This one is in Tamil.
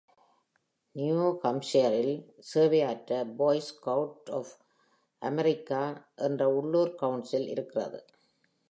New Hampshireல் சேவையாற்ற Boy Scouts of America என்ற உள்ளூர் கவுன்சில் இருக்கிறது.